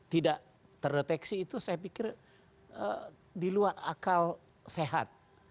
tidak terdeteksi itu saya pikir di luar akal sehat